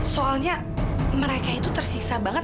soalnya mereka itu tersisa banget